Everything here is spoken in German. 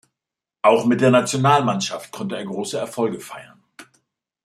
Auch mit der Nationalmannschaft konnte er große Erfolge feiern.